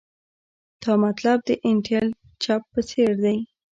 تا مطلب د انټیل چپ په څیر دی